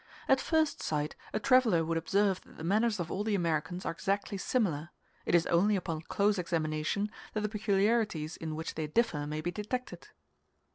At first sight a traveller would observe that the manners of all the Americans are exactly similar; it is only upon close examination that the peculiarities in which they differ may be detected.